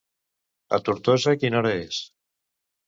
A Tortosa quina hora és?